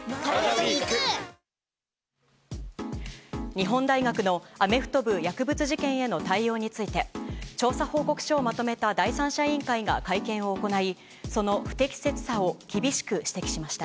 日本大学のアメフト部薬物事件への対応について調査報告書をまとめた第三者委員会が会見を行いその不適切さを厳しく指摘しました。